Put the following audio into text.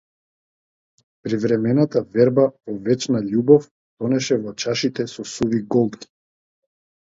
Привремената верба во вечна љубов, тонеше во чашите со суви голтки.